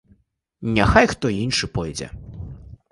Няхай хто іншы пойдзе.